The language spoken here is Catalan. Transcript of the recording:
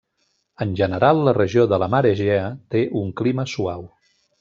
En general la regió de la Mar Egea té un clima suau.